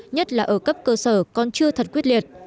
nhất là ở cấp cơ sở còn chưa thật quyết liệt